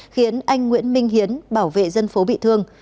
khiến anh nguyễn minh hiến bảo vệ dân phố bị thương